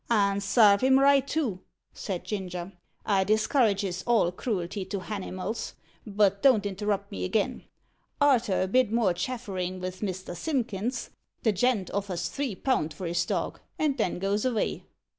"And sarve him right, too," said Ginger. "I discourages all cruelty to hanimals. But don't interrupt me again. Arter a bit more chafferin' vith Mr. Simpkins, the gent offers three pound for his dog, and then goes avay.